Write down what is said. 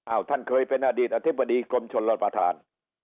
ท่านเคยเป็นอดีตอธิบดีกรมชนรับประทาน